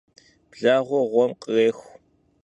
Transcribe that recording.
Blağuer ğuem khrêxu.